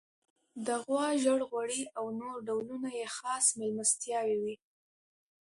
د غوا ژړ غوړي او نور ډولونه یې خاص میلمستیاوې وې.